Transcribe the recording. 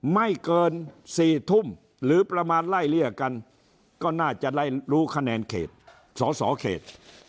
ไม่เกิน๔ทุ่มหรือประมาณไล่เลี่ยกันก็น่าจะได้รู้คะแนนเขตสอสอเขต